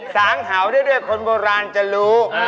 สางเห็วได้ด้วยคนโบราณจะรู้